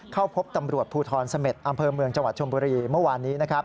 เข้าพบตำรวจภูทรเสม็ดอำเภอเมืองจังหวัดชมบุรีเมื่อวานนี้